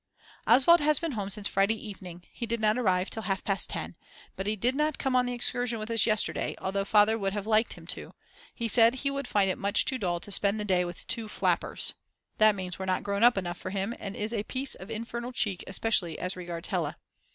Oswald has been home since Friday evening; he did not arrive till half past 10. But he did not come on the excursion with us yesterday, although Father would have liked him to; he said he would find it much too dull to spend the day with two "flappers;" that means that we're not grown up enough for him and is a piece of infernal cheek especially as regards Hella.